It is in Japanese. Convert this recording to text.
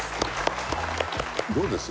どうです？